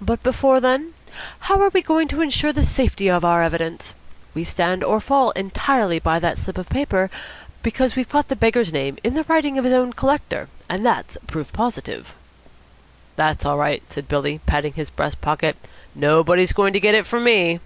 "But before then? How are we going to ensure the safety of our evidence? We stand or fall entirely by that slip of paper, because we've got the beggar's name in the writing of his own collector, and that's proof positive." "That's all right," said Billy, patting his breast pocket. "Nobody's going to get it from me."